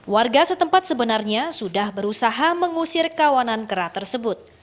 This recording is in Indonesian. warga setempat sebenarnya sudah berusaha mengusir kawanan kera tersebut